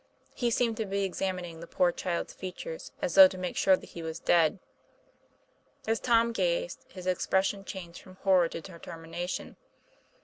He seemed to be examining the poor child's features, as though to make sure that he was dead. As Tommy gazed, his expression changed from horror to determination.